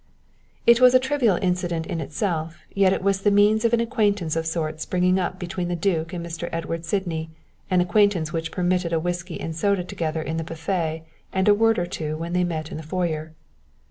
It was a trivial incident in itself, yet it was the means of an acquaintance of sorts springing up between the duke and Mr. Edward Sydney, an acquaintance which permitted a whisky and soda together in the buffet and a word or two when they met in the foyer.